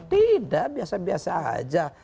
tidak biasa biasa saja